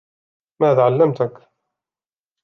ماذا علمَتك؟